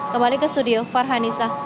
kembali ke studio farhan isah